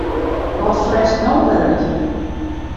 Wat fretst no wer út?